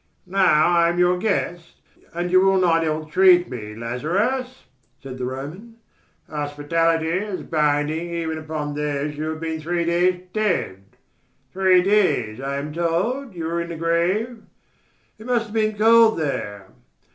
"Now I am your guest and you will not ill treat me, Lazarus!" said the Roman. "Hospitality is binding even upon those who have been three days dead. Three days, I am told, you were in the grave. It must have been cold there...